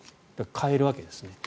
買えるわけですね。